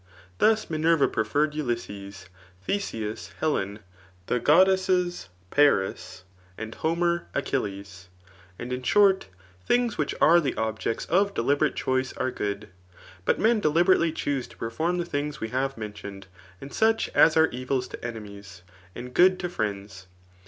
Thus Minerva pn^erred Ulysses, Theseus Helen, the goddesses Paria^ and Homer Achilles. And m short, thix^ which dn the objects of deliberate choice are good ; but men ddi b^ately choose to perform the things we have mentioned, and such as are evil to enemies, and good to friends.